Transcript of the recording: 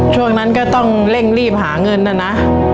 ช่วงนั้นก็ต้องเร่งรีบหาเงินนะนะ